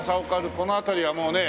この辺りはもうねえ。